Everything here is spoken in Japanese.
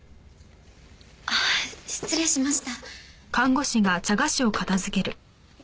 あっ失礼しました。